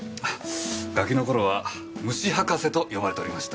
ガキの頃は虫博士と呼ばれておりました。